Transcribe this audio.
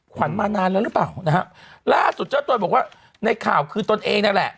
ขวัญมานานแล้วหรือเปล่านะฮะล่าสุดเจ้าตัวบอกว่าในข่าวคือตนเองนั่นแหละ